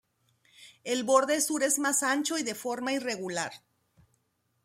El borde sur es más ancho y de forma irregular.